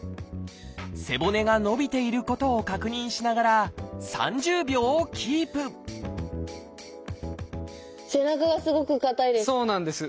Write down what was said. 背骨が伸びていることを確認しながら３０秒キープ背中がすごく硬いです。